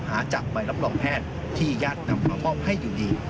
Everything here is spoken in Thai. หาจับใบรับรองแพทย์ที่ยัดนำมาพอบให้อยู่ดี